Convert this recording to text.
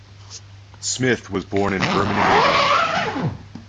Smith was born in Birmingham, England.